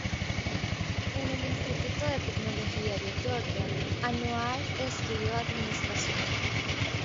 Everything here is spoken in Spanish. En el Instituto de Tecnología de Georgia, Anoa'i estudió administración.